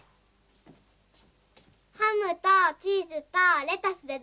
ハムとチーズとレタスでどう？